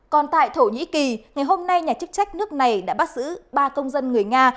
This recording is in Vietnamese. còn tại thổ nhĩ kỳ ngày hôm nay nhà chức trách nước này đã bắt giữ ba công dân người nga